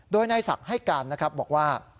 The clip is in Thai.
โดยนายศักดิ์ให้การนะครับบอกว่า